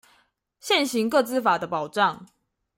現行個資法的保障